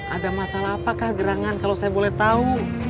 ada masalah apakah gerangan kalau saya boleh tahu